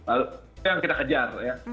lalu itu yang kita kejar ya